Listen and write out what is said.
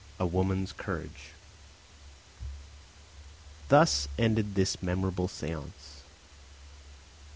A WOMAN'S COURAGE Thus ended this memorable seance.